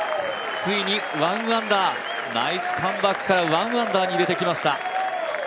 ついに１アンダーナイスカムバックから１アンダーに入れてきました。